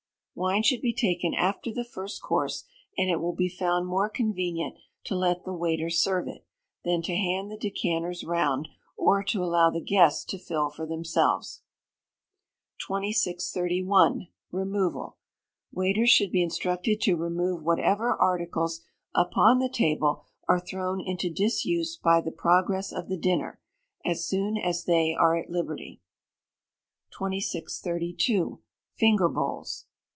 Wine should be taken after the first course; and it will be found more convenient to let the waiter serve it, than to hand the decanters round, or to allow the guests to fill for themselves. 2631. Removal. Waiters should be instructed to remove whatever articles upon the table are thrown into disuse by the progress of the dinner, as soon as they are at liberty. 2632. Finger Bowls.